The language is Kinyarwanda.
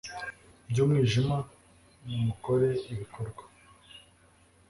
by'umwijima, nimukore ibikorwa